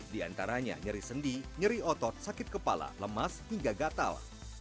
di antaranya nyeri sendi nyeri otot sakit kepala lemas hingga gatal